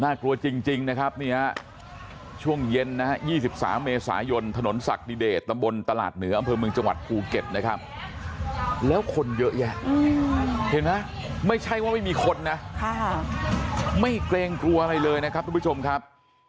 กลัวจริงนะครับเนี่ยช่วงเย็นนะฮะ๒๓เมษายนถนนศักดิเดตตำบลตลาดเหนืออำเภอเมืองจังหวัดภูเก็ตนะครับแล้วคนเยอะแยะเห็นไหมไม่ใช่ว่าไม่มีคนนะไม่เกรงกลัวอะไรเลยนะครับทุกผู้ชมครับ